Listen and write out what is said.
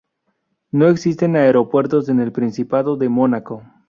No existen aeropuertos en el Principado de Mónaco.